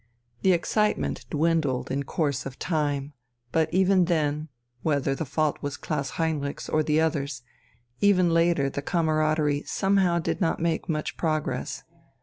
The excitement dwindled in course of time, but even then whether the fault was Klaus Heinrich's or the others' even later the camaraderie somehow did not make much progress.